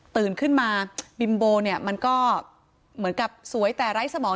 ขึ้นมาบิมโบเนี่ยมันก็เหมือนกับสวยแต่ไร้สมอง